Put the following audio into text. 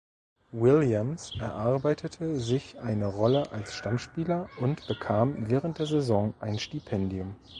Williams erarbeitete sich eine Rolle als Stammspieler und bekam während der Saison ein Stipendium.